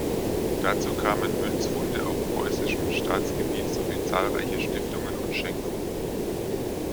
Dazu kamen Münzfunde auf preußischem Staatsgebiet sowie zahlreiche Stiftungen und Schenkungen.